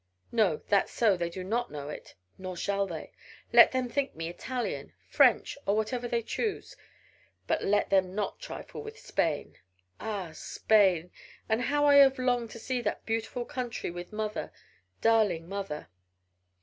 "No, that's so, they do not know it nor shall they. Let them think me Italian, French or whatever they choose but let them not trifle with Spain. Ah, Spain! and how I have longed to see that beautiful country with mother darling mother!"